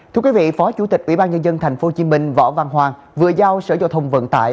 thưa quý vị phó chủ tịch ubnd tp hcm võ văn hoàng vừa giao sở giao thông vận tải